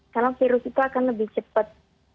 karena virus itu akan lebih cepat